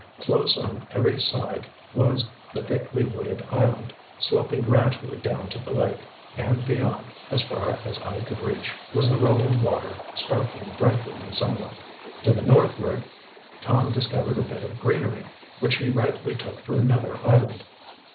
Close upon every side was the thickly wooded island, sloping gradually down to the lake, and beyond, as far as eye could reach, was the rolling water, sparkling brightly in the sunlight. To the northward Tom discovered a bit of greenery, which he rightly took for another island.